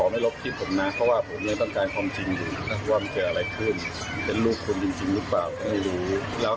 มันเขาจะลงโทษด้วยเขาเองหรือเปล่า